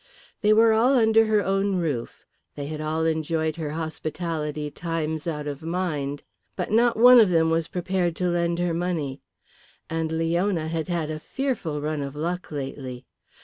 They were all under her own roof, they had all enjoyed her hospitality times out of mind, but not one of them was prepared to lend her money. And Leona had had a fearful run of luck lately.